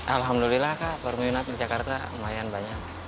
alhamdulillah kak berminat di jakarta lumayan banyak